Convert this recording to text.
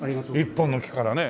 １本の木からね。